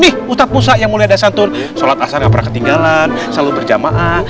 nih ustadz musa yang mulia dasyatun sholat asar gak pernah ketinggalan selalu berjamaah